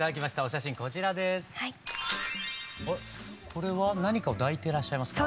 これは何かを抱いてらっしゃいますか？